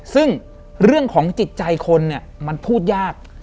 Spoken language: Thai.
ซึ่งเรื่องของจิตใจคนเนี่ยมันพูดยาก